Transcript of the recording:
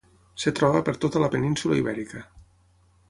Es troba per tota la península Ibèrica.